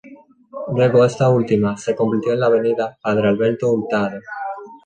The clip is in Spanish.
Luego esta última se convirtió en la Avenida Padre Alberto Hurtado.